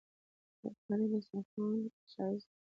ترکاري د سترخوان ښايست دی